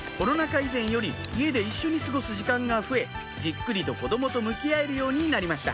以前より家で一緒に過ごす時間が増えじっくりと子供と向き合えるようになりました